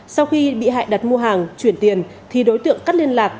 sau khi bị hại đặt mua hàng chuyển tiền thì đối tượng cắt liên lạc